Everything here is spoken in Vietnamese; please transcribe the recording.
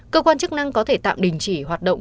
cơ quan chức năng có thể tạm đình chỉ hoạt động